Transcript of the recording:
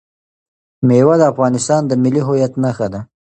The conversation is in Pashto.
مېوې د افغانستان د ملي هویت نښه ده.